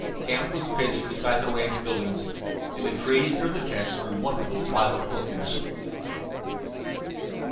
Camp was pitched beside the ranch buildings. In the trees near the tents grew wonderful violet orchids.